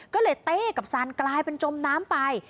ก็เลยเต้กับซานกลายเป็นจมน้ำไป